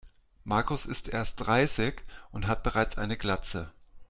Markus ist erst dreißig und hat bereits eine Glatze.